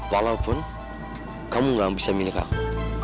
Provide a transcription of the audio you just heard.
walaupun kamu gak bisa milik aku